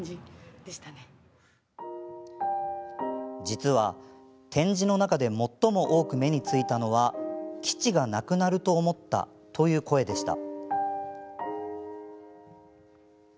実は、展示の中で最も多く目についたのは基地がなくなると思ったという声でした。